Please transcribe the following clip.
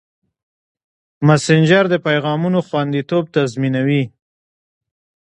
مسېنجر د پیغامونو خوندیتوب تضمینوي.